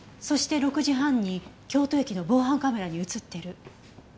そして６時半に京都駅の防犯カメラに映ってる。